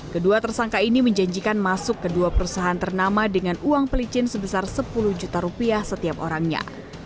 kedua tersangka ini menjanjikan masuk ke dua perusahaan ternama dengan uang pelicin sebesar sepuluh juta rupiah setiap orangnya